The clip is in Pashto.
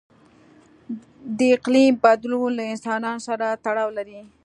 د اقلیم بدلون له انسانانو سره تړاو لري.